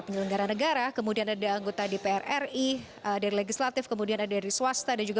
penyelenggara negara kemudian ada anggota dpr ri dari legislatif kemudian ada dari swasta dan juga